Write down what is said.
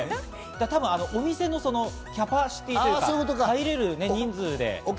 多分お店のキャパシティーというか、入れる人数で。